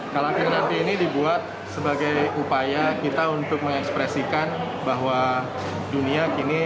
kalangan nanti ini dibuat sebagai upaya kita untuk mengekspresikan bahwa dunia kini